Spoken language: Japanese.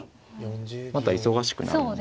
また忙しくなるんで。